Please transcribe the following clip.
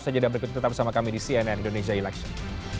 usahanya berikutnya tetap bersama kami di cnn indonesia election